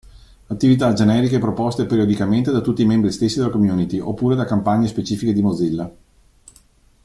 Attività generiche proposte periodicamente da tutti i membri stessi della community oppure da campagne specifiche di Mozilla.